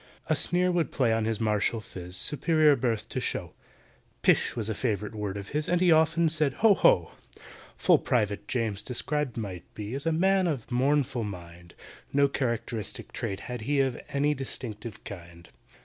A sneer would play on his martial phiz, Superior birth to show; "Pish!" was a favourite word of his, And he often said "Ho! ho!" FULL PRIVATE JAMES described might be, As a man of a mournful mind; No characteristic trait had he Of any distinctive kind.